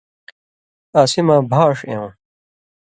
اسی مہ بھاݜ ایوں